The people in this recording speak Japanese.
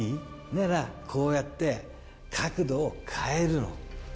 ならこうやって角度を変えるの。